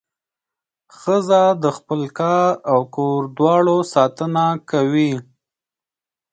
ښځه د خپل کار او کور دواړو ساتنه کوي.